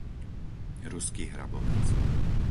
Ruský Hrabovec